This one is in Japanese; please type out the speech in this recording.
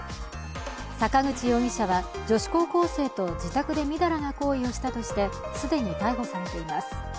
坂口容疑者は女子高校生と自宅でみだらな行為をしたとして既に逮捕されています。